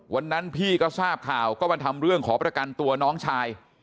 วันนั้นพี่ก็ทราบข่าวก็มาทำเรื่องขอประกันตัวน้องชาย